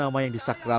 calonan di medan